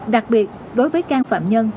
đặc biệt đối với các phạm nhân